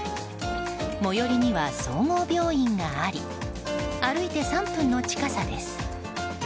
最寄りには総合病院があり歩いて３分の近さです。